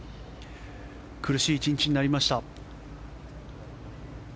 苦しい１日になりました。